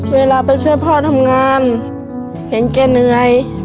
เวลาไปช่วยพ่อทำงานเห็นแกเหนื่อย